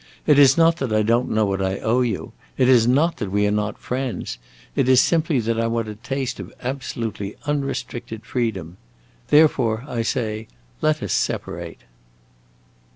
It is not that I don't know what I owe you; it is not that we are not friends. It is simply that I want a taste of absolutely unrestricted freedom. Therefore, I say, let us separate."